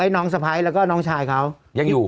น้องสะพ้ายแล้วก็น้องชายเขายังอยู่